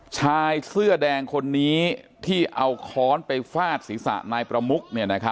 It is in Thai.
ชายเสื้อแดงคนนี้ที่เอาค้อนไปฟาดศีรษะนายประมุก